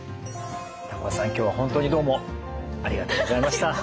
今日は本当にどうもありがとうございました。